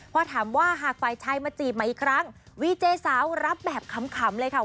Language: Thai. พอถามว่าหากฝ่ายชายมาจีบใหม่อีกครั้งวีเจสาวรับแบบขำเลยค่ะ